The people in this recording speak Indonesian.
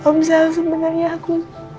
tau gak bisa langsung denger ya aku